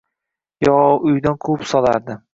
yo uydan quvib solardi.